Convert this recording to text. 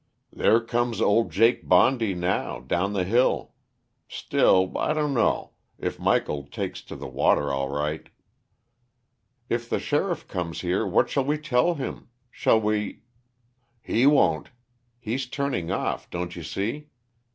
"There comes old Jake Bondy, now, down the hill. Still, I dunno if Michael takes to the water all right " "If the sheriff comes here, what shall we tell him? Shall we " "He won't. He's turning off, don't you see?